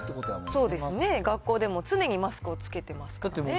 そうですね、学校でも常にマスクを着けてますからね。